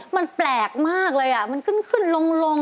มันแปลกมากเลยอ่ะมันขึ้นขึ้นลง